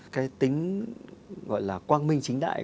cái tính quang minh chính đại